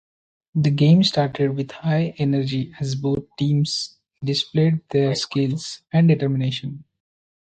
The game started with high energy as both teams displayed their skills and determination.